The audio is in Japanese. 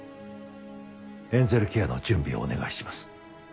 エンゼルケアの準備をお願いします。